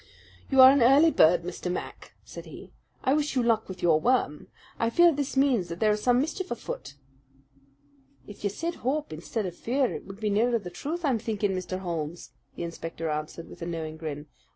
"You are an early bird, Mr. Mac," said he. "I wish you luck with your worm. I fear this means that there is some mischief afoot." "If you said 'hope' instead of 'fear,' it would be nearer the truth, I'm thinking, Mr. Holmes," the inspector answered, with a knowing grin.